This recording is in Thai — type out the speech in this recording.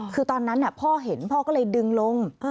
คือตอนนั้นพ่อเห็นพ่อก็เลยดึงลง